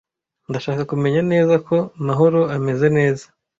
Ndashaka kumenya neza ko Mahoro ameze neza.